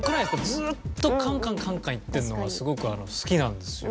ずーっとカンカンカンカンいってるのがすごく好きなんですよ。